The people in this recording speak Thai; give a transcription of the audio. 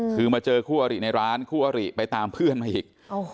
คือมาเจอคู่อริในร้านคู่อริไปตามเพื่อนมาอีก